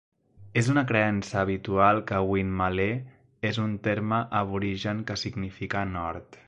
És una creença habitual que Winmalee és un terme aborigen que significa "nord".